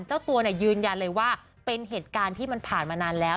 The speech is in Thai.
เจ้าตัวยืนยันเลยว่าเป็นเหตุการณ์ที่มันผ่านมานานแล้ว